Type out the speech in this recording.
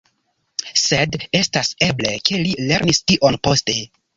Sed estas eble, ke li lernis tion poste.